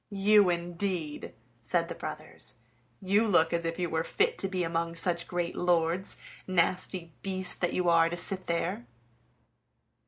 "You, indeed!" said the brothers, "you look as if you were fit to be among such great lords, nasty beast that you are to sit there!"